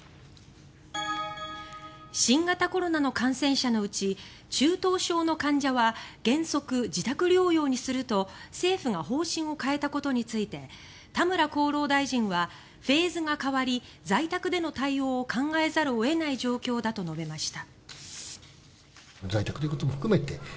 新型コロナの感染者のうち中等症の患者は原則、自宅療養にすると政府が方針を変えたことについて田村厚労大臣はフェーズが変わり在宅での対応を考えざるを得ない状況だと述べました。